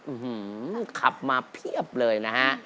อื้อหือขับมาเพียบเลยนะฮะ